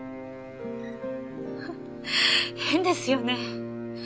変ですよね。